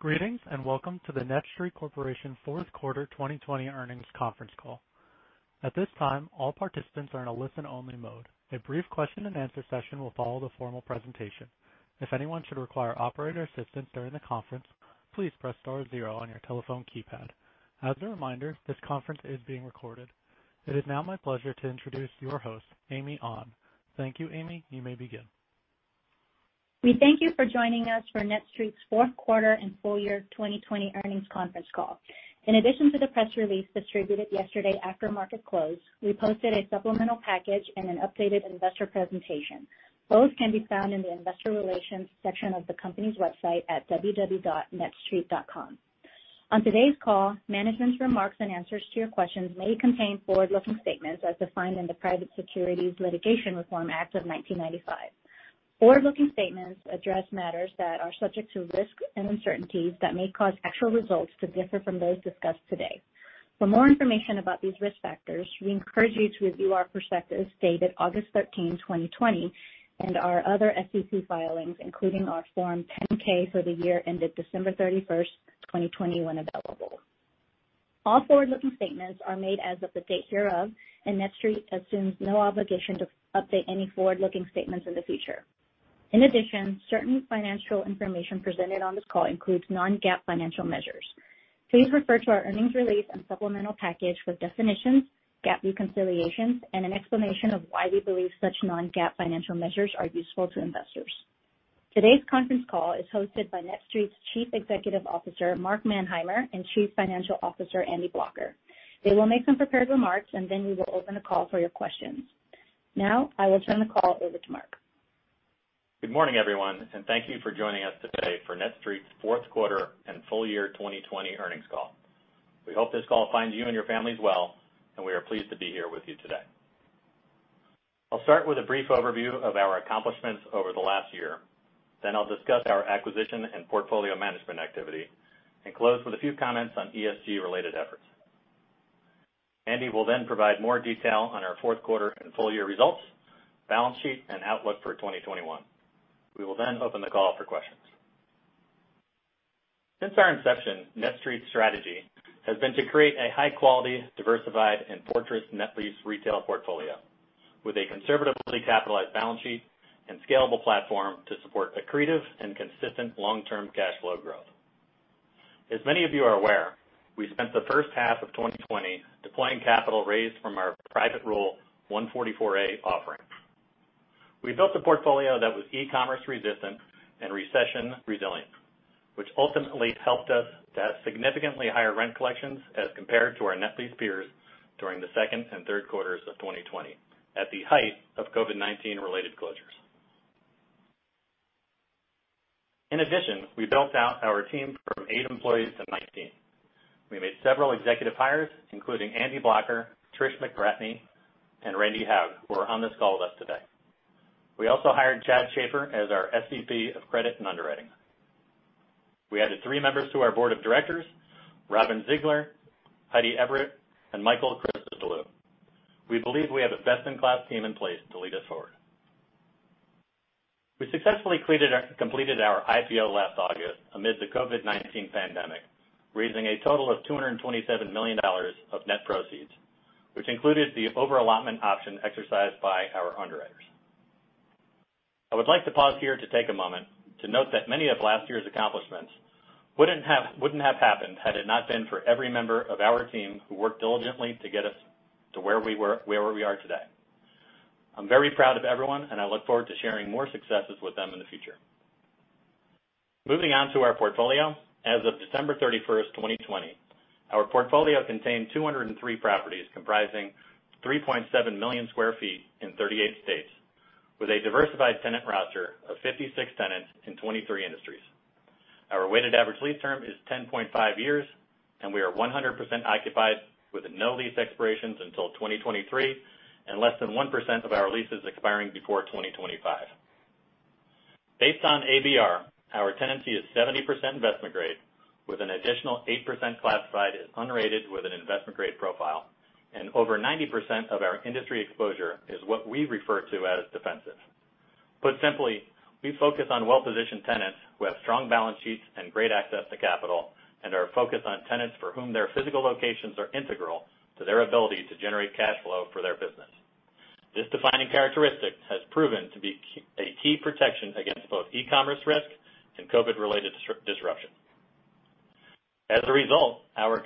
Greetings, welcome to the NETSTREIT Corporation fourth quarter 2020 earnings conference call. At this time, all participants are in a listen only mode. A brief question and answer session will follow the formal presentation. If anyone should require operator assistance during the conference, please press star zero on your telephone keypad. As a reminder, this conference is being recorded. It is now my pleasure to introduce your host, Amy An. Thank you, Amy. You may begin. We thank you for joining us for NETSTREIT's fourth quarter and full year 2020 earnings conference call. In addition to the press release distributed yesterday after market close, we posted a supplemental package and an updated investor presentation. Both can be found in the investor relations section of the company's website at www.netstreit.com. On today's call, management's remarks and answers to your questions may contain forward-looking statements as defined in the Private Securities Litigation Reform Act of 1995. Forward-looking statements address matters that are subject to risks and uncertainties that may cause actual results to differ from those discussed today. For more information about these risk factors, we encourage you to review our prospectus dated August 13, 2020, and our other SEC filings, including our Form 10-K for the year ended December 31st, 2020, when available. All forward-looking statements are made as of the date hereof. NETSTREIT assumes no obligation to update any forward-looking statements in the future. In addition, certain financial information presented on this call includes non-GAAP financial measures. Please refer to our earnings release and supplemental package for definitions, GAAP reconciliations, and an explanation of why we believe such non-GAAP financial measures are useful to investors. Today's conference call is hosted by NETSTREIT's Chief Executive Officer, Mark Manheimer, and Chief Financial Officer, Andrew Blocher. They will make some prepared remarks. Then we will open the call for your questions. I will turn the call over to Mark. Good morning, everyone, and thank you for joining us today for NETSTREIT's fourth quarter and full year 2020 earnings call. We hope this call finds you and your families well, and we are pleased to be here with you today. I'll start with a brief overview of our accomplishments over the last year. I'll discuss our acquisition and portfolio management activity and close with a few comments on ESG related efforts. Andy will then provide more detail on our fourth quarter and full year results, balance sheet, and outlook for 2021. We will then open the call for questions. Since our inception, NETSTREIT's strategy has been to create a high quality, diversified, and fortress net lease retail portfolio with a conservatively capitalized balance sheet and scalable platform to support accretive and consistent long-term cash flow growth. As many of you are aware, we spent the first half of 2020 deploying capital raised from our private Rule 144A offering. We built a portfolio that was e-commerce resistant and recession resilient, which ultimately helped us to have significantly higher rent collections as compared to our NETSTREIT peers during the second and third quarters of 2020, at the height of COVID-19 related closures. In addition, we built out our team from eight employees to 19. We made several executive hires, including Andy Blocher, Trish McBratney, and Randy Haugh, who are on this call with us today. We also hired Chad Shafer as our SVP of Credit and Underwriting. We added three members to our board of directors, Robin Zeigler, Heidi Everett, and Michael Christodoulou. We believe we have a best in class team in place to lead us forward. We successfully completed our IPO last August amid the COVID-19 pandemic, raising a total of $227 million of net proceeds, which included the over-allotment option exercised by our underwriters. I would like to pause here to take a moment to note that many of last year's accomplishments wouldn't have happened had it not been for every member of our team who worked diligently to get us to where we are today. I'm very proud of everyone, and I look forward to sharing more successes with them in the future. Moving on to our portfolio, as of December 31st, 2020, our portfolio contained 203 properties comprising 3.7 million square feet in 38 states with a diversified tenant roster of 56 tenants in 23 industries. Our weighted average lease term is 10.5 years, we are 100% occupied with no lease expirations until 2023 and less than 1% of our leases expiring before 2025. Based on ABR, our tenancy is 70% investment grade, with an additional 8% classified as unrated with an investment grade profile. Over 90% of our industry exposure is what we refer to as defensive. Put simply, we focus on well-positioned tenants who have strong balance sheets and great access to capital and are focused on tenants for whom their physical locations are integral to their ability to generate cash flow for their business. This defining characteristic has proven to be a key protection against both e-commerce risk and COVID related disruption. As a result, our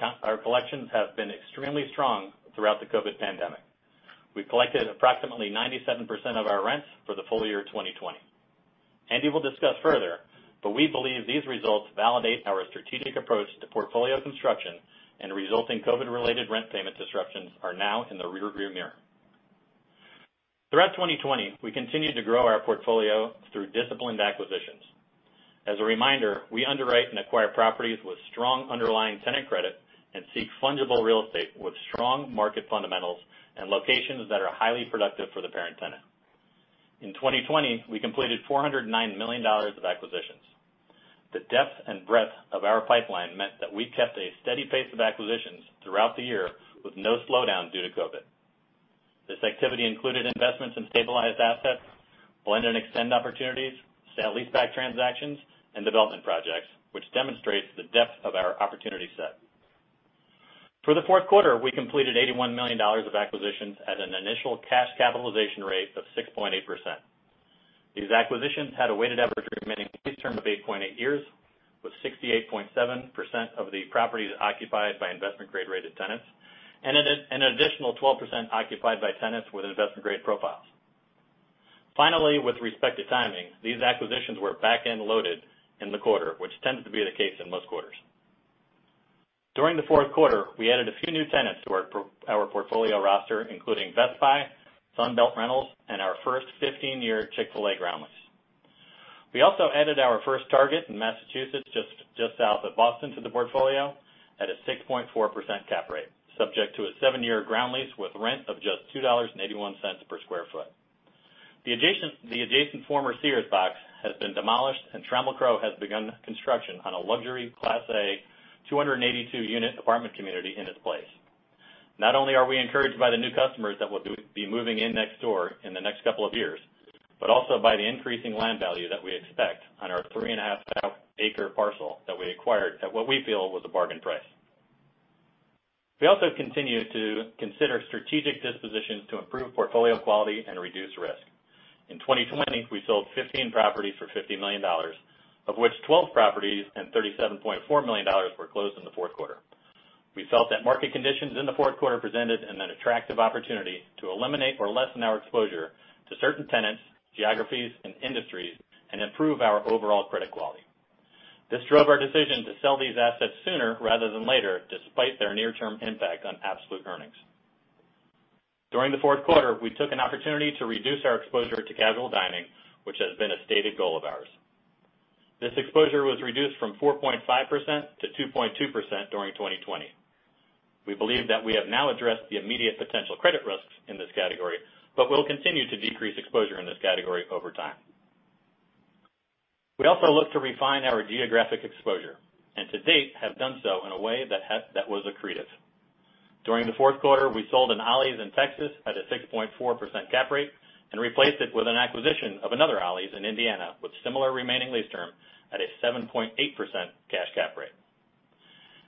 collections have been extremely strong throughout the COVID pandemic. We've collected approximately 97% of our rents for the full year 2020. Andy will discuss further, we believe these results validate our strategic approach to portfolio construction and resulting COVID related rent payment disruptions are now in the rear view mirror. Throughout 2020, we continued to grow our portfolio through disciplined acquisitions. As a reminder, we underwrite and acquire properties with strong underlying tenant credit and seek fundable real estate with strong market fundamentals and locations that are highly productive for the parent tenant. In 2020, we completed $409 million of acquisitions. The depth and breadth of our pipeline meant that we kept a steady pace of acquisitions throughout the year with no slowdown due to COVID. This activity included investments in stabilized assets, blend and extend opportunities, sale-leaseback transactions, and development projects, which demonstrates the depth of our opportunity set. For the fourth quarter, we completed $81 million of acquisitions at an initial cash capitalization rate of 6.8%. These acquisitions had a weighted average remaining lease term of 8.8 years, with 68.7% of the properties occupied by investment-grade-rated tenants, and an additional 12% occupied by tenants with investment-grade profiles. Finally, with respect to timing, these acquisitions were back-end loaded in the quarter, which tends to be the case in most quarters. During the fourth quarter, we added a few new tenants to our portfolio roster, including Best Buy, Sunbelt Rentals, and our first 15-year Chick-fil-A ground lease. We also added our first Target in Massachusetts, just south of Boston, to the portfolio at a 6.4% cap rate, subject to a seven-year ground lease with rent of just $2.81 per square foot. The adjacent former Sears box has been demolished, and Trammell Crow has begun construction on a luxury Class A 282-unit apartment community in its place. Not only are we encouraged by the new customers that will be moving in next door in the next couple of years, but also by the increasing land value that we expect on our three and a half acre parcel that we acquired at, what we feel, was a bargain price. We also continue to consider strategic dispositions to improve portfolio quality and reduce risk. In 2020, we sold 15 properties for $50 million, of which 12 properties and $37.4 million were closed in the fourth quarter. We felt that market conditions in the fourth quarter presented an attractive opportunity to eliminate or lessen our exposure to certain tenants, geographies, and industries, and improve our overall credit quality. This drove our decision to sell these assets sooner rather than later, despite their near-term impact on absolute earnings. During the fourth quarter, we took an opportunity to reduce our exposure to casual dining, which has been a stated goal of ours. This exposure was reduced from 4.5% to 2.2% during 2020. We believe that we have now addressed the immediate potential credit risks in this category, but will continue to decrease exposure in this category over time. We also look to refine our geographic exposure, and to date, have done so in a way that was accretive. During the fourth quarter, we sold an Ollie's in Texas at a 6.4% cap rate and replaced it with an acquisition of another Ollie's in Indiana with similar remaining lease term at a 7.8% cash cap rate.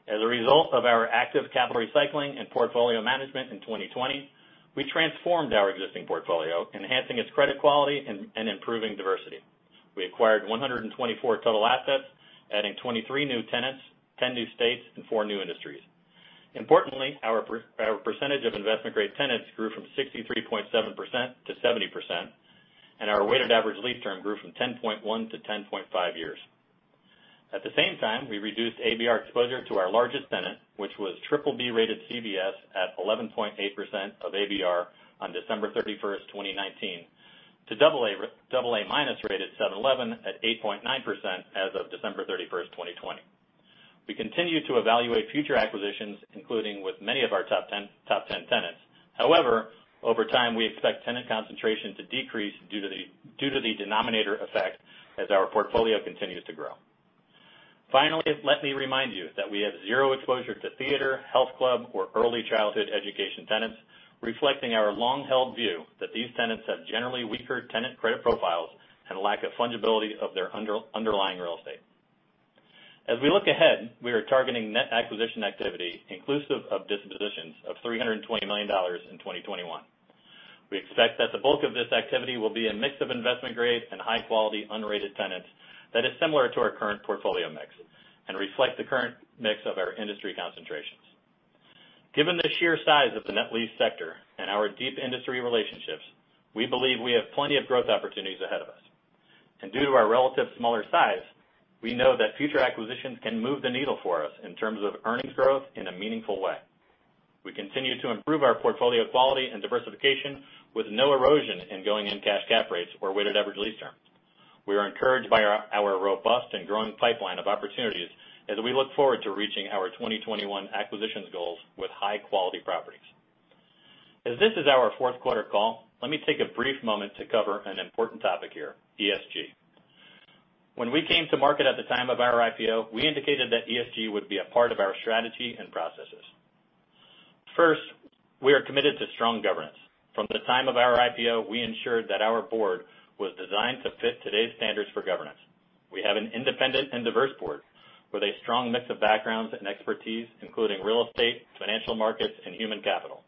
As a result of our active capital recycling and portfolio management in 2020, we transformed our existing portfolio, enhancing its credit quality and improving diversity. We acquired 124 total assets, adding 23 new tenants, 10 new states, and four new industries. Importantly, our percentage of investment-grade tenants grew from 63.7% to 70%, and our weighted average lease term grew from 10.1 to 10.5 years. At the same time, we reduced ABR exposure to our largest tenant, which was BBB-rated CVS at 11.8% of ABR on December 31st, 2019, to AA-rated 7-Eleven at 8.9% as of December 31st, 2020. We continue to evaluate future acquisitions, including with many of our top 10 tenants. However, over time, we expect tenant concentration to decrease due to the denominator effect as our portfolio continues to grow. Finally, let me remind you that we have zero exposure to theater, health club, or early childhood education tenants, reflecting our long-held view that these tenants have generally weaker tenant credit profiles and lack of fungibility of their underlying real estate. As we look ahead, we are targeting net acquisition activity inclusive of dispositions of $320 million in 2021. We expect that the bulk of this activity will be a mix of investment-grade and high-quality unrated tenants that is similar to our current portfolio mix and reflect the current mix of our industry concentrations. Given the sheer size of the net lease sector and our deep industry relationships, we believe we have plenty of growth opportunities ahead of us. Due to our relative smaller size, we know that future acquisitions can move the needle for us in terms of earnings growth in a meaningful way. We continue to improve our portfolio quality and diversification with no erosion in going-in cash cap rates or weighted average lease term. We are encouraged by our robust and growing pipeline of opportunities as we look forward to reaching our 2021 acquisitions goals with high-quality properties. As this is our fourth quarter call, let me take a brief moment to cover an important topic here, ESG. When we came to market at the time of our IPO, we indicated that ESG would be a part of our strategy and processes. First, we are committed to strong governance. From the time of our IPO, we ensured that our board was designed to fit today's standards for governance. We have an independent and diverse board with a strong mix of backgrounds and expertise, including real estate, financial markets, and human capital.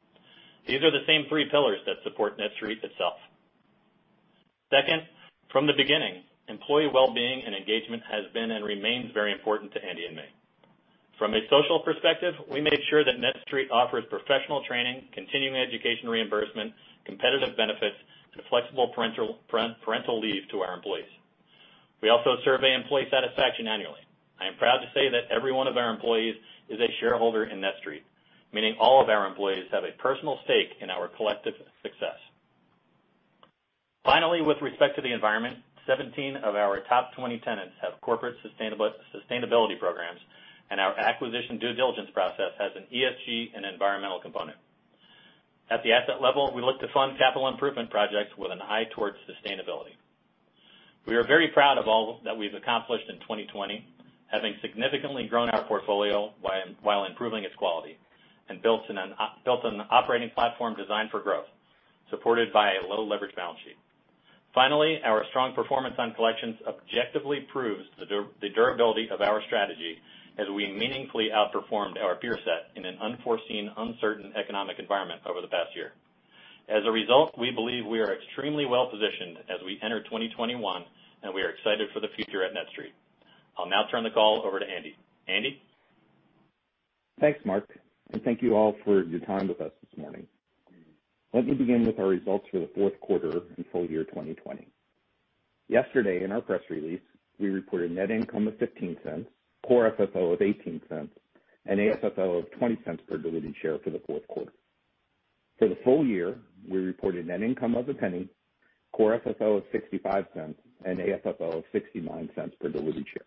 These are the same three pillars that support NETSTREIT itself. Second, from the beginning, employee wellbeing and engagement has been and remains very important to Andy and me. From a social perspective, we made sure that NETSTREIT offers professional training, continuing education reimbursement, competitive benefits, and flexible parental leave to our employees. We also survey employee satisfaction annually. I am proud to say that every one of our employees is a shareholder in NETSTREIT, meaning all of our employees have a personal stake in our collective success. Finally, with respect to the environment, 17 of our top 20 tenants have corporate sustainability programs, and our acquisition due diligence process has an ESG and environmental component. At the asset level, we look to fund capital improvement projects with an eye towards sustainability. We are very proud of all that we've accomplished in 2020, having significantly grown our portfolio while improving its quality, and built an operating platform designed for growth, supported by a low leverage balance sheet. Finally, our strong performance on collections objectively proves the durability of our strategy as we meaningfully outperformed our peer set in an unforeseen, uncertain economic environment over the past year. As a result, we believe we are extremely well-positioned as we enter 2021, and we are excited for the future at NETSTREIT. I'll now turn the call over to Andy. Andy? Thanks, Mark. Thank you all for your time with us this morning. Let me begin with our results for the fourth quarter and full year 2020. Yesterday in our press release, we reported net income of $0.15, core FFO of $0.18, and AFFO of $0.20 per diluted share for the fourth quarter. For the full year, we reported net income of $0.01, core FFO of $0.65, and AFFO of $0.69 per diluted share.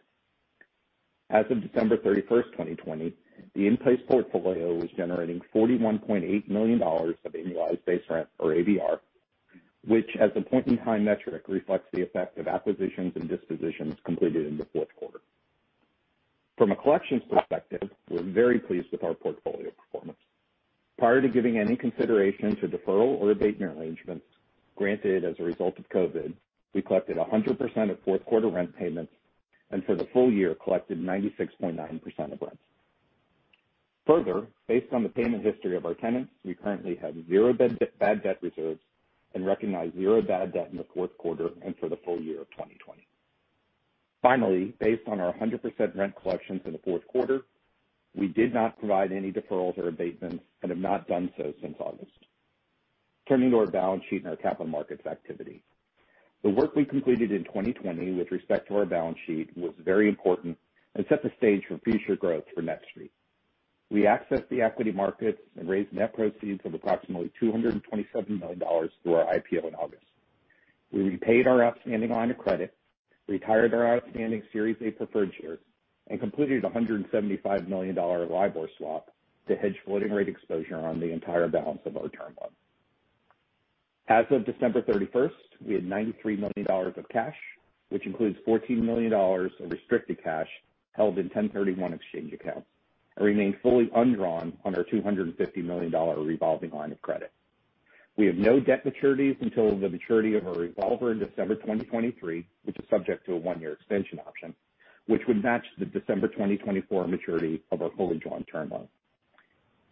As of December 31st, 2020, the in-place portfolio was generating $41.8 million of annualized base rent or ABR, which, as a point-in-time metric, reflects the effect of acquisitions and dispositions completed in the fourth quarter. From a collections perspective, we're very pleased with our portfolio performance. Prior to giving any consideration to deferral or abatement arrangements granted as a result of COVID, we collected 100% of fourth quarter rent payments, and for the full year, collected 96.9% of rents. Based on the payment history of our tenants, we currently have zero bad debt reserves and recognized zero bad debt in the fourth quarter and for the full year of 2020. Based on our 100% rent collections in the fourth quarter, we did not provide any deferrals or abatements and have not done so since August. Turning to our balance sheet and our capital markets activity. The work we completed in 2020 with respect to our balance sheet was very important and set the stage for future growth for NETSTREIT. We accessed the equity markets and raised net proceeds of approximately $227 million through our IPO in August. We repaid our outstanding line of credit, retired our outstanding Series A preferred shares, and completed a $175 million LIBOR swap to hedge floating rate exposure on the entire balance of our term loan. As of December 31st, we had $93 million of cash, which includes $14 million of restricted cash held in 1031 exchange accounts and remain fully undrawn on our $250 million revolving line of credit. We have no debt maturities until the maturity of our revolver in December 2023, which is subject to a one-year extension option, which would match the December 2024 maturity of our fully drawn term loan.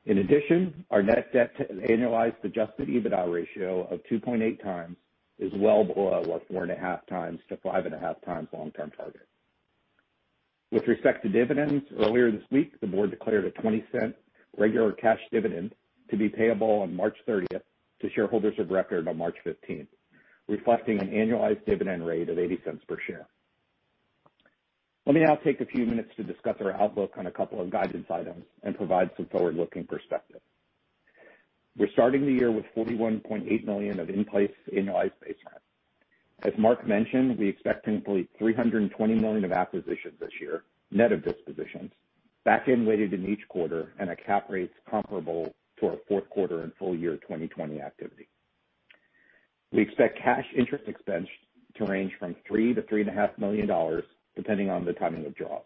In addition, our net debt to annualized adjusted EBITDA ratio of 2.8x is well below our 4.5x to 5.5x long-term Target. With respect to dividends, earlier this week the board declared a $0.20 regular cash dividend to be payable on March 30th to shareholders of record on March 15th, reflecting an annualized dividend rate of $0.80 per share. Let me now take a few minutes to discuss our outlook on a couple of guidance items and provide some forward-looking perspective. We're starting the year with $41.8 million of in-place annualized base rent. As Mark mentioned, we expect to complete $320 million of acquisitions this year, net of dispositions, back-end weighted in each quarter and at cap rates comparable to our fourth quarter and full year 2020 activity. We expect cash interest expense to range from $3 to 3.5 million, depending on the timing of draws,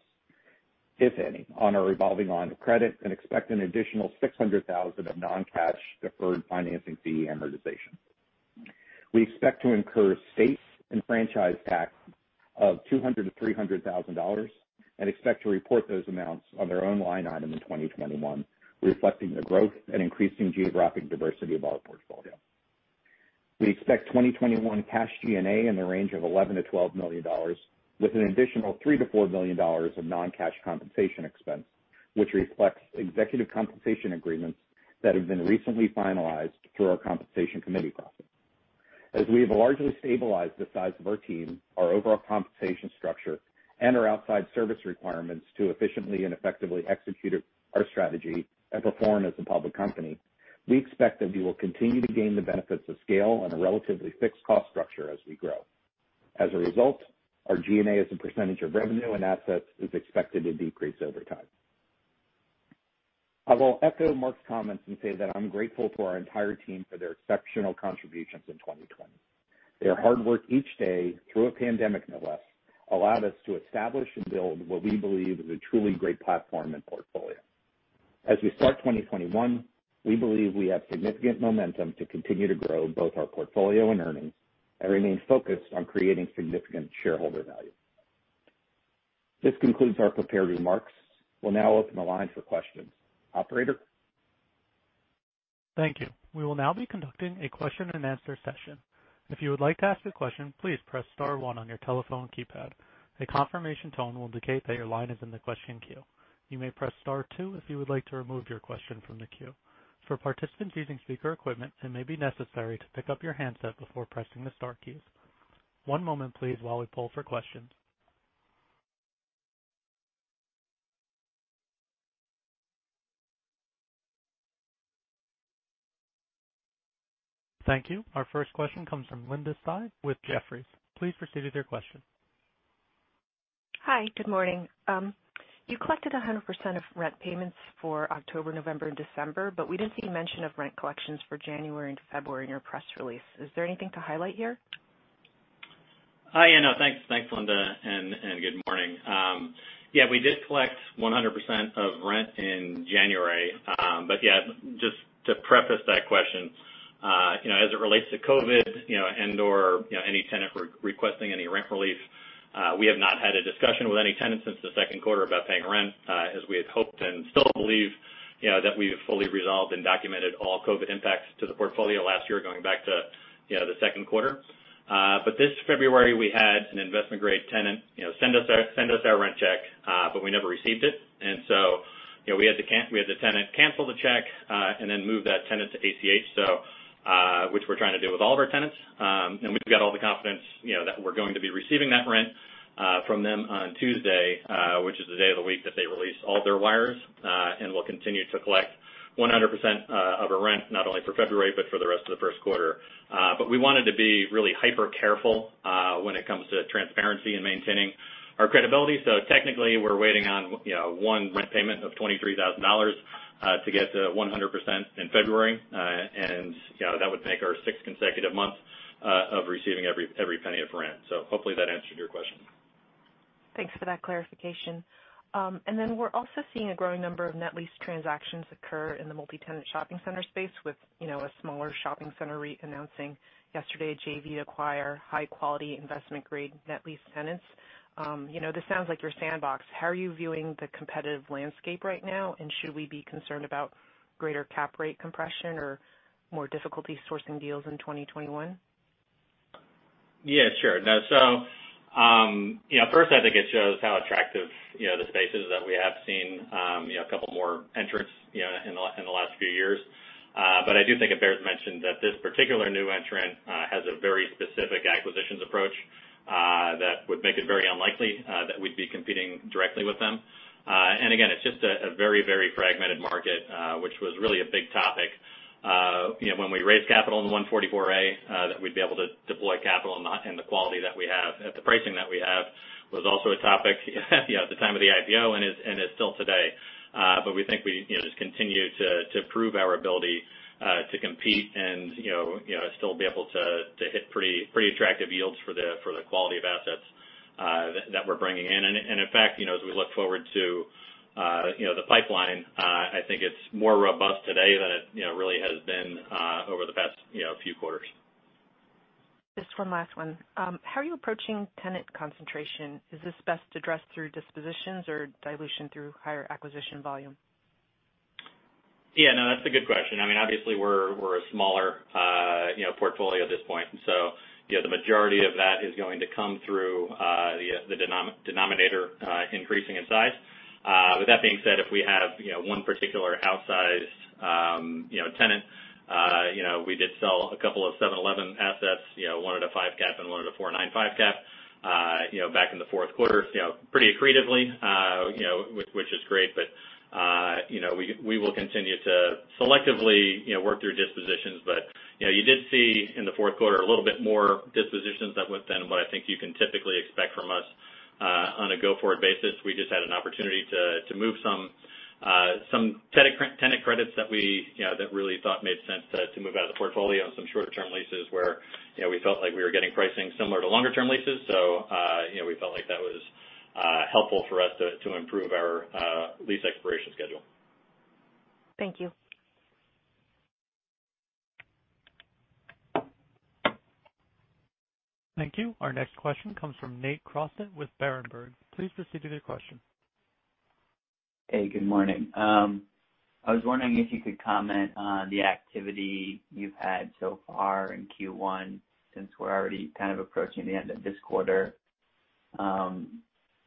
if any, on our revolving line of credit and expect an additional $600,000 of non-cash deferred financing fee amortization. We expect to incur state and franchise tax of $200,000 to $300,000 and expect to report those amounts on their own line item in 2021, reflecting the growth and increasing geographic diversity of our portfolio. We expect 2021 cash G&A in the range of $11 to 12 million, with an additional $3 to 4 million of non-cash compensation expense, which reflects executive compensation agreements that have been recently finalized through our compensation committee process. As we have largely stabilized the size of our team, our overall compensation structure, and our outside service requirements to efficiently and effectively execute our strategy and perform as a public company, we expect that we will continue to gain the benefits of scale and a relatively fixed cost structure as we grow. As a result, our G&A as a percentage of revenue and assets is expected to decrease over time. I will echo Mark's comments and say that I'm grateful for our entire team for their exceptional contributions in 2020. Their hard work each day, through a pandemic no less, allowed us to establish and build what we believe is a truly great platform and portfolio. As we start 2021, we believe we have significant momentum to continue to grow both our portfolio and earnings and remain focused on creating significant shareholder value. This concludes our prepared remarks. We'll now open the line for questions. Operator? Thank you. We will now be conducting a question and answer session. If you would like to ask a question, please press star one on your telephone keypad. A confirmation tone will indicate that your line is in the question queue. You may press star two if you would like to remove your question from the queue. For participants using speaker equipment, it may be necessary to pick up your handset before pressing the star keys. One moment please while we poll for questions. Thank you. Our first question comes from Linda Tsai with Jefferies. Please proceed with your question Hi, good morning. You collected 100% of rent payments for October, November, and December. We didn't see mention of rent collections for January and February in your press release. Is there anything to highlight here? Hi, Anna. Thanks, Linda, and good morning. Yeah, we did collect 100% of rent in January. Yeah, just to preface that question, as it relates to COVID, and/or any tenant requesting any rent relief, we have not had a discussion with any tenant since the second quarter about paying rent, as we had hoped and still believe that we've fully resolved and documented all COVID impacts to the portfolio last year, going back to the second quarter. This February, we had an investment-grade tenant send us a rent check, but we never received it. So we had the tenant cancel the check, then move that tenant to ACH, which we're trying to do with all of our tenants. We've got all the confidence that we're going to be receiving that rent from them on Tuesday, which is the day of the week that they release all their wires. We'll continue to collect 100% of our rent, not only for February, but for the rest of the first quarter. We wanted to be really hyper careful when it comes to transparency and maintaining our credibility. Technically, we're waiting on one rent payment of $23,000 to get to 100% in February. That would make our sixth consecutive month of receiving every penny of rent. Hopefully that answered your question. Thanks for that clarification. We're also seeing a growing number of net lease transactions occur in the multi-tenant shopping center space with a smaller shopping center re-announcing yesterday a JV acquire high-quality investment-grade net lease tenants. This sounds like your sandbox. How are you viewing the competitive landscape right now, and should we be concerned about greater cap rate compression or more difficulty sourcing deals in 2021? Yeah, sure. First, I think it shows how attractive the space is that we have seen a couple more entrants in the last few years. I do think it bears mention that this particular new entrant has a very specific acquisitions approach that would make it very unlikely that we'd be competing directly with them. Again, it's just a very fragmented market, which was really a big topic. When we raised capital in the 144A, that we'd be able to deploy capital in the quality that we have at the pricing that we have was also a topic at the time of the IPO and is still today. We think we just continue to prove our ability to compete and still be able to hit pretty attractive yields for the quality of assets that we're bringing in. In fact, as we look forward to the pipeline, I think it's more robust today than it really has been over the past few quarters. Just one last one. How are you approaching tenant concentration? Is this best addressed through dispositions or dilution through higher acquisition volume? Yeah, no, that's a good question. Obviously, we're a smaller portfolio at this point. The majority of that is going to come through the denominator increasing in size. With that being said, if we have one particular outsized tenant, we did sell a couple of 7-Eleven assets, one at a five cap and one at a 495 cap back in the fourth quarter pretty accretively, which is great. We will continue to selectively work through dispositions. You did see in the fourth quarter a little bit more dispositions than what I think you can typically expect from us on a go-forward basis. We just had an opportunity to move some tenant credits that we really thought made sense to move out of the portfolio, some short-term leases where we felt like we were getting pricing similar to longer-term leases. We felt like that was helpful for us to improve our lease expiration schedule. Thank you. Thank you. Our next question comes from Nate Crossett with Berenberg. Please proceed with your question. Hey, good morning. I was wondering if you could comment on the activity you've had so far in Q1, since we're already kind of approaching the end of this quarter.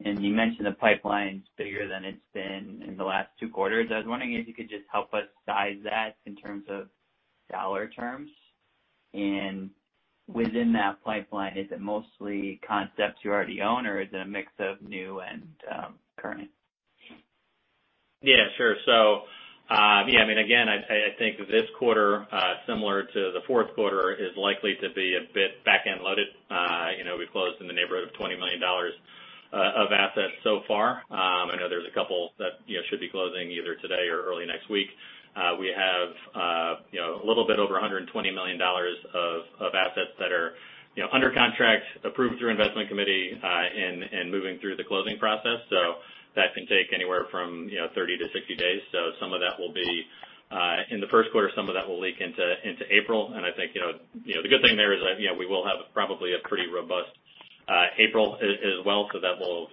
You mentioned the pipeline's bigger than it's been in the last two quarters. I was wondering if you could just help us size that in terms of dollar terms. Within that pipeline, is it mostly concepts you already own, or is it a mix of new and current? Yeah, sure. Again, I think this quarter, similar to the fourth quarter, is likely to be a bit back-end loaded. We closed in the neighborhood of $20 million of assets so far. I know there's a couple that should be closing either today or early next week. We have a little bit over $120 million of assets that are under contract, approved through investment committee, and moving through the closing process. That can take anywhere from 30 to 60 days. Some of that will be in the first quarter, some of that will leak into April. I think the good thing there is that we will have probably a pretty robust April as well. That will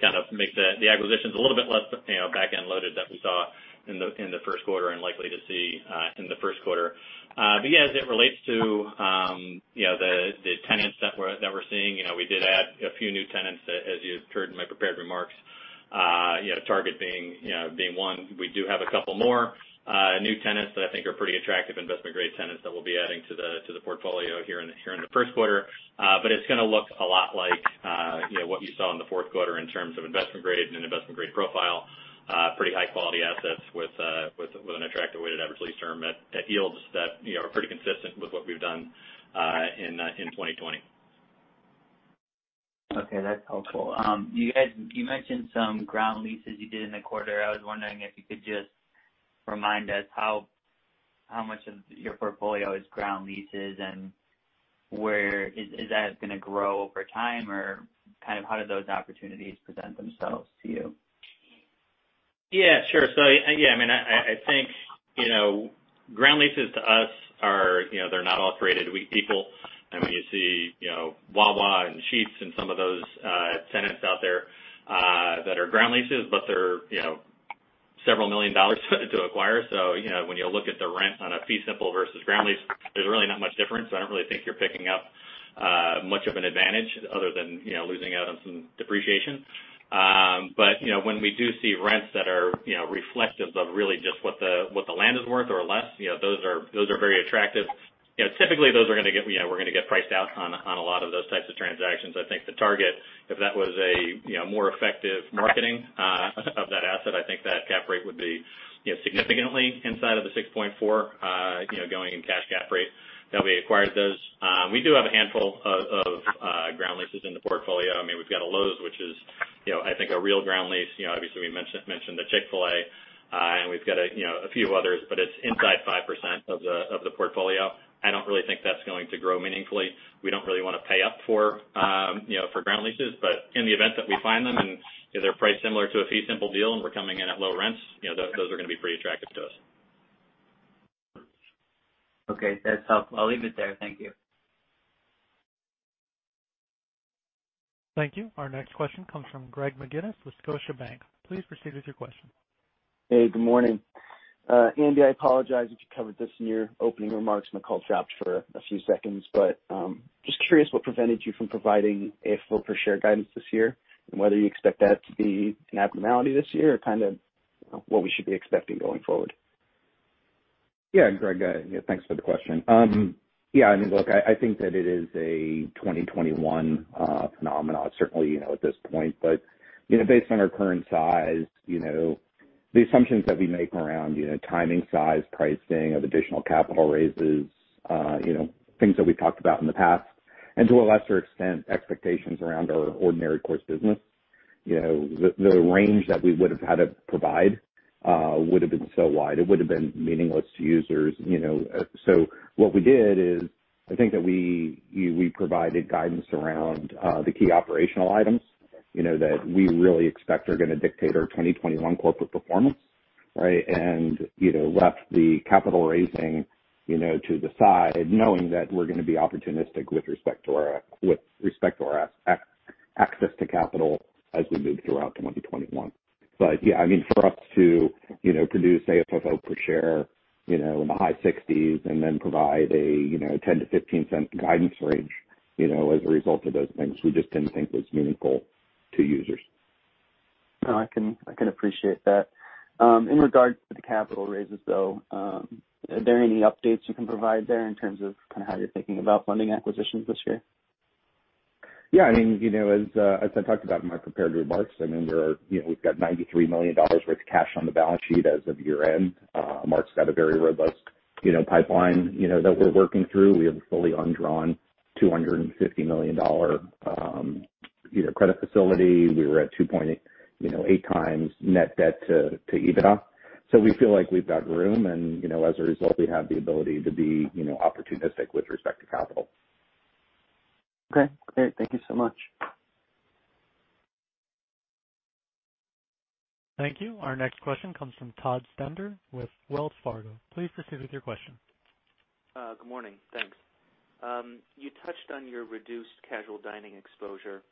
kind of make the acquisitions a little bit less back-end loaded than we saw in the first quarter and likely to see in the first quarter. Yeah, as it relates to the tenants that we're seeing, we did add a few new tenants, as you heard in my prepared remarks. Target being one. We do have a couple more new tenants that I think are pretty attractive investment-grade tenants that we'll be adding to the portfolio here in the first quarter. It's going to look a lot like what you saw in the fourth quarter in terms of investment grade and an investment-grade profile. Pretty high-quality assets with an attractive weighted average lease term at yields that are pretty consistent with what we've done in 2020. Okay, that's helpful. You mentioned some ground leases you did in the quarter. I was wondering if you could just remind us how much of your portfolio is ground leases and is that going to grow over time or how do those opportunities present themselves to you? Yeah, sure. I think ground leases to us are not all created equal. When you see Wawa and Sheetz and some of those tenants out there that are ground leases, but they're several million dollars to acquire. When you look at the rent on a fee simple versus ground lease, there's really not much difference. I don't really think you're picking up much of an advantage other than losing out on some depreciation. When we do see rents that are reflective of really just what the land is worth or less, those are very attractive. Typically, we're going to get priced out on a lot of those types of transactions. I think the target, if that was a more effective marketing of that asset, I think that cap rate would be significantly inside of the 6.4 going in cash cap rate that we acquired those. We do have a handful of ground leases in the portfolio. We've got a Lowe's which is I think a real ground lease. Obviously, we mentioned the Chick-fil-A, and we've got a few others, but it's inside 5% of the portfolio. I don't really think that's going to grow meaningfully. We don't really want to pay up for ground leases, but in the event that we find them and they're priced similar to a fee simple deal and we're coming in at low rents, those are going to be pretty attractive to us. Okay, that's helpful. I'll leave it there. Thank you. Thank you. Our next question comes from Greg McGinniss with Scotiabank. Please proceed with your question. Hey, good morning. Andy, I apologize if you covered this in your opening remarks, my call dropped for a few seconds, but just curious what prevented you from providing a FFO per share guidance this year and whether you expect that to be an abnormality this year or kind of what we should be expecting going forward. Yeah, Greg, thanks for the question. I think that it is a 2021 phenomenon, certainly at this point. Based on our current size, the assumptions that we make around timing, size, pricing of additional capital raises, things that we've talked about in the past, and to a lesser extent, expectations around our ordinary course business. The range that we would have had to provide would have been so wide it would have been meaningless to users. What we did is, I think that we provided guidance around the key operational items that we really expect are going to dictate our 2021 corporate performance, right? Left the capital raising to the side, knowing that we're going to be opportunistic with respect to our access to capital as we move throughout 2021. For us to produce AFFO per share in the high 60s and then provide a $0.10 to $0.15 guidance range as a result of those things, we just didn't think was meaningful to users. No, I can appreciate that. In regards to the capital raises, though, are there any updates you can provide there in terms of how you're thinking about funding acquisitions this year? Yeah. As I talked about in my prepared remarks, we've got $93 million worth of cash on the balance sheet as of year-end. Mark's got a very robust pipeline that we're working through. We have a fully undrawn $250 million credit facility. We were at 2.8x net debt to EBITDA. We feel like we've got room, and as a result, we have the ability to be opportunistic with respect to capital. Okay, great. Thank you so much. Thank you. Our next question comes from Todd Stender with Wells Fargo. Please proceed with your question. Good morning. Thanks. You touched on your reduced casual dining exposure,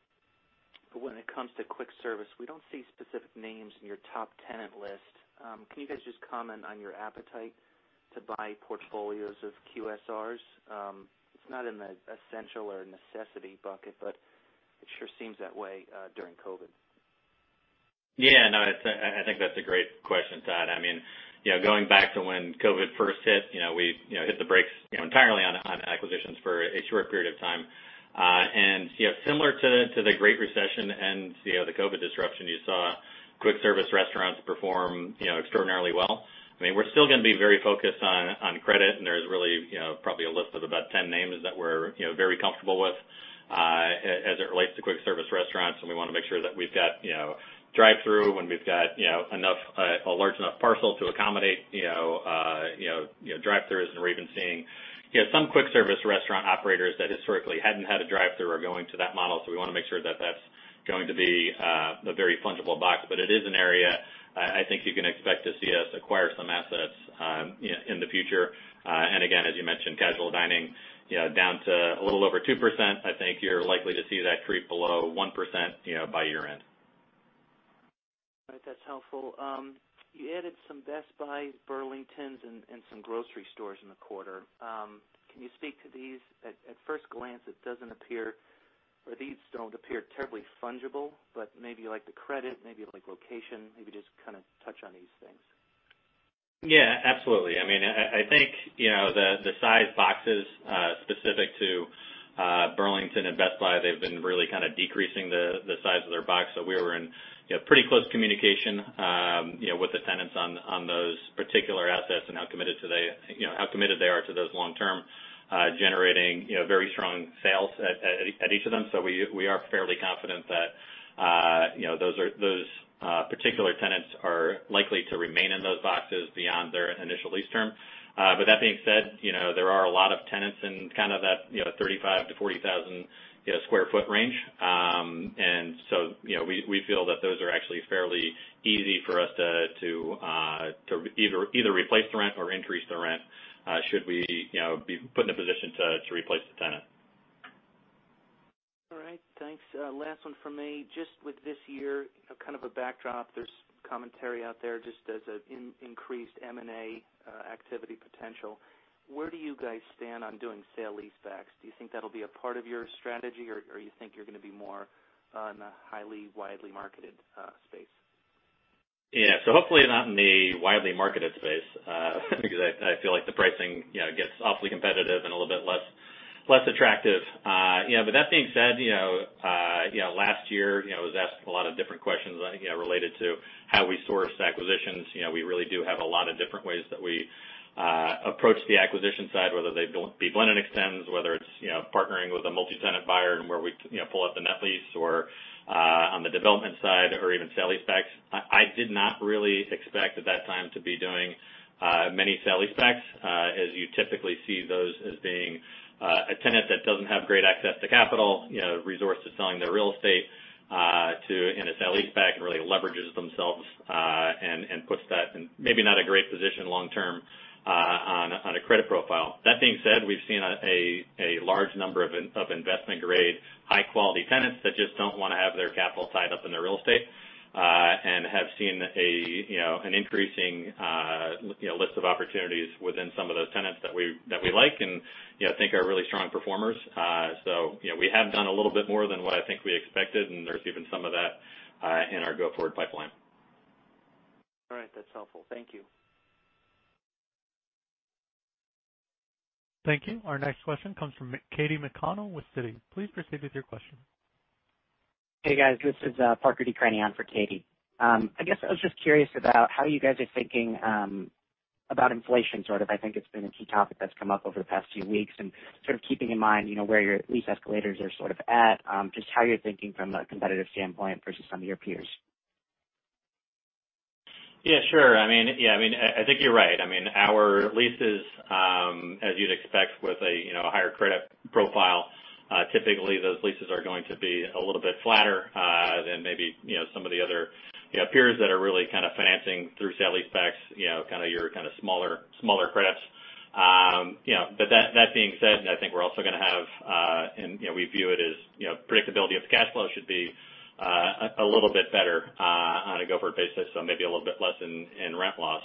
when it comes to quick service, we don't see specific names in your top tenant list. Can you guys just comment on your appetite to buy portfolios of QSRs? It's not in the essential or necessity bucket, it sure seems that way during COVID. Yeah, no, I think that's a great question, Todd. Going back to when COVID first hit, we hit the brakes entirely on acquisitions for a short period of time. Similar to the Great Recession and the COVID disruption, you saw quick service restaurants perform extraordinarily well. We're still going to be very focused on credit, and there's really probably a list of about 10 names that we're very comfortable with as it relates to quick service restaurants. We want to make sure that we've got drive-thru when we've got a large enough parcel to accommodate drive-thrus. We're even seeing some quick service restaurant operators that historically hadn't had a drive-thru are going to that model. We want to make sure that that's going to be a very fungible box. It is an area I think you can expect to see us acquire some assets in the future. Again, as you mentioned, casual dining down to a little over 2%. I think you're likely to see that creep below 1% by year-end. All right, that's helpful. You added some Best Buys, Burlingtons, and some grocery stores in the quarter. Can you speak to these? At first glance, these don't appear terribly fungible, maybe you like the credit, maybe you like location, maybe just kind of touch on these things. Yeah, absolutely. I think the size boxes specific to Burlington and Best Buy, they've been really kind of decreasing the size of their box. We were in pretty close communication with the tenants on those particular assets and how committed they are to those long-term, generating very strong sales at each of them. We are fairly confident that those particular tenants are likely to remain in those boxes beyond their initial lease term. That being said, there are a lot of tenants in kind of that 35,000 to 40,000 square foot range. We feel that those are actually fairly easy for us to either replace the rent or increase the rent, should we be put in a position to replace the tenant. All right. Thanks. Last one from me. Just with this year, kind of a backdrop, there's commentary out there just as an increased M&A activity potential, where do you guys stand on doing sale leasebacks? Do you think that'll be a part of your strategy, or you think you're going to be more on the highly widely marketed space? Yeah. Hopefully not in the widely marketed space because I feel like the pricing gets awfully competitive and a little bit less attractive. That being said, last year, I was asked a lot of different questions related to how we source acquisitions. We really do have a lot of different ways that we approach the acquisition side, whether they be blended extends, whether it's partnering with a multi-tenant buyer and where we pull out the net lease or on the development side or even sale leasebacks. I did not really expect at that time to be doing many sale leasebacks, as you typically see those as being a tenant that doesn't have great access to capital, resorts to selling their real estate in a sale leaseback and really leverages themselves, and puts that in maybe not a great position long-term on a credit profile. That being said, we've seen a large number of investment-grade, high-quality tenants that just don't want to have their capital tied up in their real estate and have seen an increasing list of opportunities within some of those tenants that we like and think are really strong performers. We have done a little bit more than what I think we expected, and there's even some of that in our go-forward pipeline. All right, that's helpful. Thank you. Thank you. Our next question comes from Katie McConnell with Citi. Please proceed with your question. Hey, guys. This is Parker Decraene on for Katie. I guess I was just curious about how you guys are thinking about inflation sort of. I think it's been a key topic that's come up over the past few weeks and sort of keeping in mind where your lease escalators are sort of at, just how you're thinking from a competitive standpoint versus some of your peers. Yeah, sure. I think you're right. Our leases, as you'd expect with a higher credit profile, typically those leases are going to be a little bit flatter than maybe some of the other peers that are really kind of financing through sale leasebacks, kind of your smaller credits. That being said, I think we're also going to have, and we view it as predictability of cash flow should be a little bit better on a go-forward basis, so maybe a little bit less in rent loss.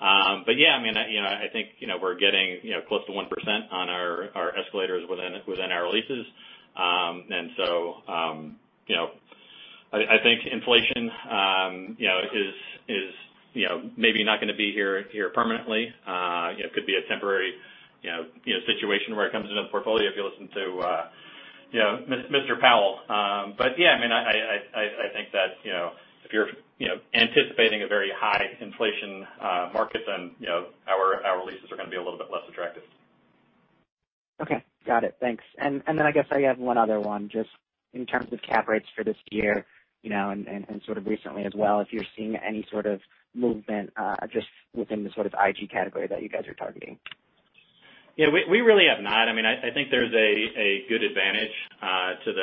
Yeah, I think we're getting close to 1% on our escalators within our leases. I think inflation is maybe not going to be here permanently. It could be a temporary situation where it comes into the portfolio if you listen to Mr. Powell. Yeah, I think that if you're anticipating a very high inflation market, our leases are going to be a little bit less attractive. Okay. Got it. Thanks. I guess I have one other one just in terms of cap rates for this year, and sort of recently as well, if you're seeing any sort of movement just within the sort of IG category that you guys are targeting. Yeah, we really have not. I think there's a good advantage to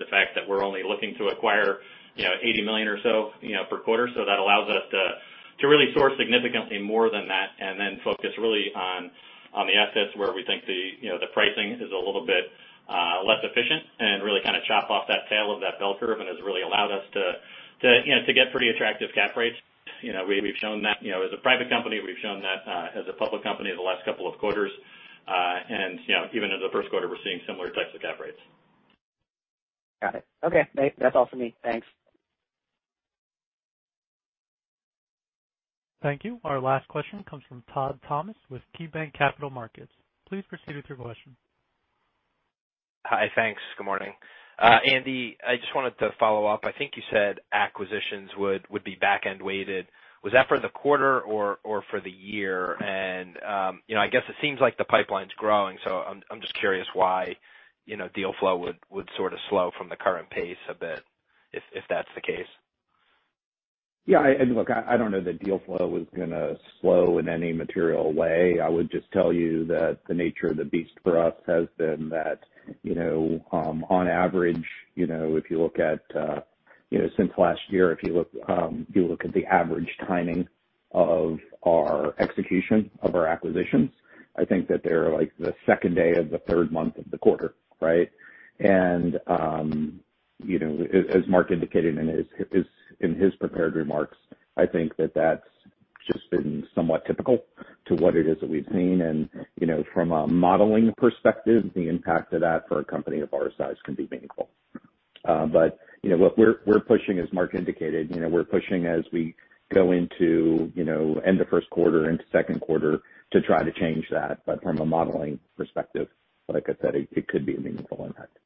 the fact that we're only looking to acquire $80 million or so per quarter. That allows us to really source significantly more than that and then focus really on the assets where we think the pricing is a little bit less efficient and really kind of chop off that tail of that bell curve and has really allowed us to get pretty attractive cap rates. We've shown that as a private company. We've shown that as a public company the last couple of quarters. Even into the first quarter, we're seeing similar types of cap rates. Got it. Okay. That's all for me. Thanks. Thank you. Our last question comes from Todd Thomas with KeyBanc Capital Markets. Please proceed with your question. Hi. Thanks. Good morning. Andy, I just wanted to follow up. I think you said acquisitions would be back-end weighted. Was that for the quarter or for the year? I guess it seems like the pipeline's growing, so I'm just curious why deal flow would sort of slow from the current pace a bit if that's the case. Look, I don't know that deal flow is going to slow in any material way. I would just tell you that the nature of the beast for us has been that on average, if you look at since last year, if you look at the average timing of our execution of our acquisitions, I think that they're like the second day of the third month of the quarter, right? As Mark indicated in his prepared remarks, I think that's just been somewhat typical to what it is that we've seen. From a modeling perspective, the impact of that for a company of our size can be meaningful. But we're pushing, as Mark indicated, we're pushing as we go into end of first quarter into second quarter to try to change that. From a modeling perspective, like I said, it could be a meaningful impact.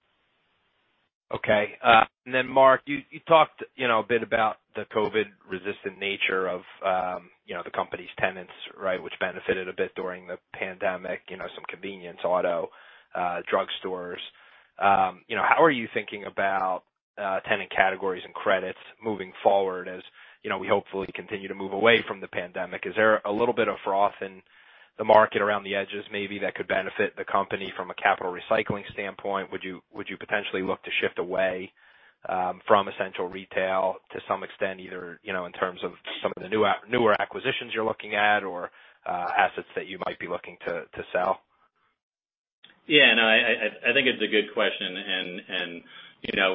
Okay. Then Mark, you talked a bit about the COVID-resistant nature of the company's tenants, right, which benefited a bit during the pandemic, some convenience auto drugstores. How are you thinking about tenant categories and credits moving forward, as we hopefully continue to move away from the pandemic? Is there a little bit of froth in the market around the edges, maybe, that could benefit the company from a capital recycling standpoint? Would you potentially look to shift away from essential retail to some extent, either in terms of some of the newer acquisitions you're looking at or assets that you might be looking to sell? Yeah. No, I think it's a good question.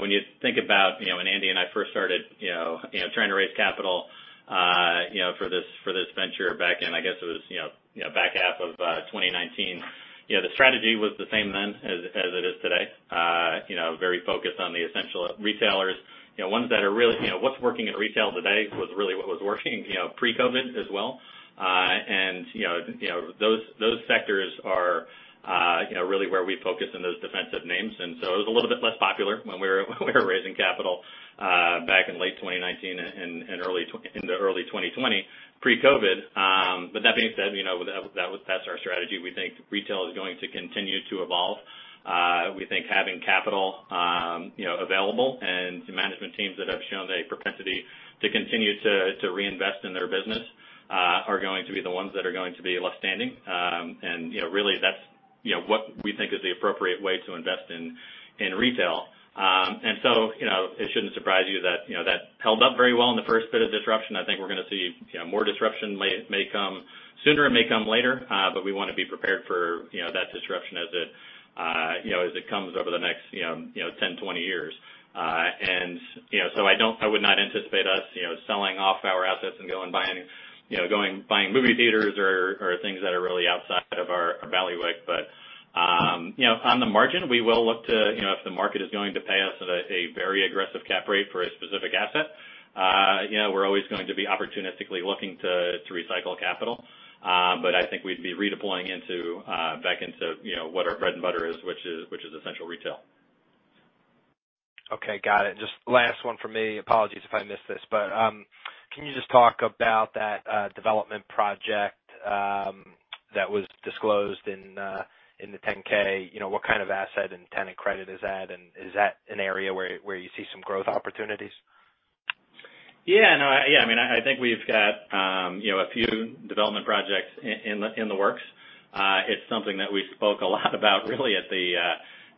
When you think about when Andy and I first started trying to raise capital for this venture back in, I guess it was back half of 2019, the strategy was the same then as it is today. Very focused on the essential retailers, ones that are really what's working in retail today was really what was working pre-COVID as well. Those sectors are really where we focus on those defensive names. It was a little bit less popular when we were raising capital back in late 2019 and into early 2020, pre-COVID. That being said, that's our strategy. We think retail is going to continue to evolve. We think having capital available and management teams that have shown a propensity to continue to reinvest in their business are going to be the ones that are going to be left standing. Really that's what we think is the appropriate way to invest in retail. It shouldn't surprise you that held up very well in the first bit of disruption. I think we're going to see more disruption. It may come sooner or it may come later, but we want to be prepared for that disruption as it comes over the next 10, 20 years. I would not anticipate us selling off our assets and going buying movie theaters or things that are really outside of our bailiwick. On the margin, we will look to if the market is going to pay us a very aggressive cap rate for a specific asset, we're always going to be opportunistically looking to recycle capital. I think we'd be redeploying back into what our bread and butter is, which is essential retail. Okay. Got it. Just last one from me. Apologies if I missed this, but can you just talk about that development project that was disclosed in the 10-K? What kind of asset and tenant credit is that, and is that an area where you see some growth opportunities? Yeah. I think we've got a few development projects in the works. It's something that we spoke a lot about really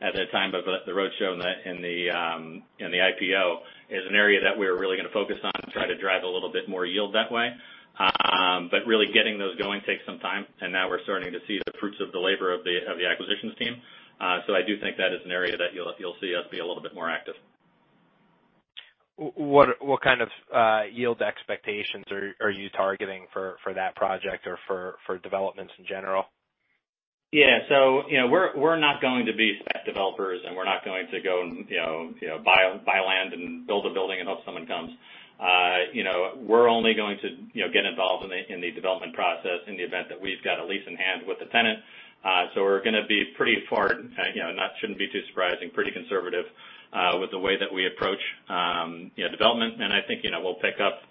at the time of the roadshow in the IPO, is an area that we're really going to focus on and try to drive a little bit more yield that way. Really getting those going takes some time, and now we're starting to see the fruits of the labor of the acquisitions team. I do think that is an area that you'll see us be a little bit more active. What kind of yield expectations are you targeting for that project or for developments in general? Yeah. We're not going to be spec developers, and we're not going to go and buy land and build a building and hope someone comes. We're only going to get involved in the development process in the event that we've got a lease in hand with the tenant. We're going to be pretty far, and that shouldn't be too surprising, pretty conservative with the way that we approach development. I think we'll pick up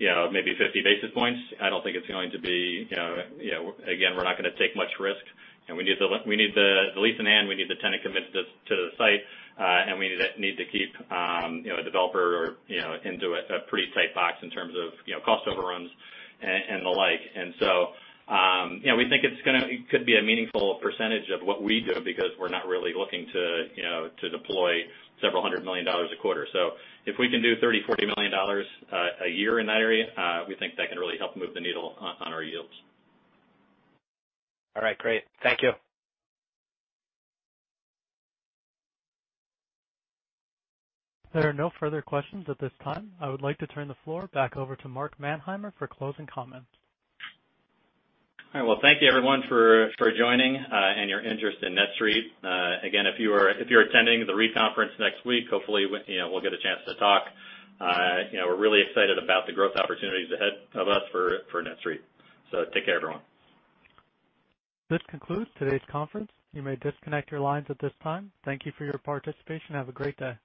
maybe 50 basis points. We're not going to take much risk, and we need the lease in hand. We need the tenant committed to the site. We need to keep a developer into a pretty tight box in terms of cost overruns and the like. We think it could be a meaningful percentage of what we do because we're not really looking to deploy several hundred million dollars a quarter. If we can do $30 million, $40 million a year in that area, we think that can really help move the needle on our yields. All right. Great. Thank you. There are no further questions at this time. I would like to turn the floor back over to Mark Manheimer for closing comments. All right. Well, thank you everyone for joining and your interest in NETSTREIT. Again, if you're attending the REIT conference next week, hopefully, we'll get a chance to talk. We're really excited about the growth opportunities ahead of us for NETSTREIT. Take care, everyone. This concludes today's conference. You may disconnect your lines at this time. Thank you for your participation and have a great day.